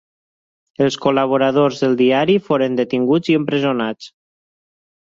Els col·laboradors del diari foren detinguts i empresonats.